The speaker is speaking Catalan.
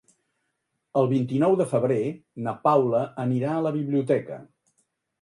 El vint-i-nou de febrer na Paula anirà a la biblioteca.